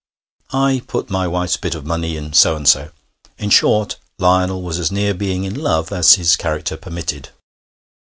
I put my wife's bit of money into so and so.' In short, Lionel was as near being in love as his character permitted.